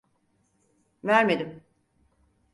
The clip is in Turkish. Vermedim.